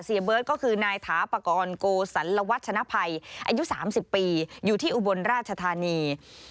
เบิร์ตก็คือนายถาปากรโกสันลวัชนภัยอายุ๓๐ปีอยู่ที่อุบลราชธานี